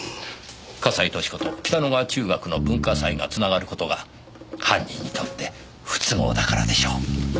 笠井俊子と北野川中学の文化祭が繋がる事が犯人にとって不都合だからでしょう。